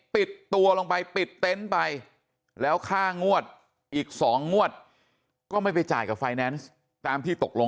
ปิดตัวลงไปปิดเต็นต์ไปแล้วค่างวดอีก๒งวดก็ไม่ไปจ่ายกับไฟแนนซ์ตามที่ตกลง